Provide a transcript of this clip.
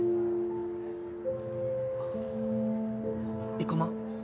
生駒？